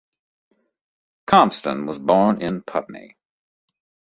Compston was born in Putney.